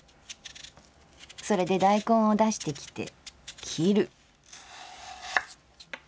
それで大根を出してきて切る」。